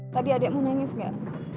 tadi adikmu nangis gak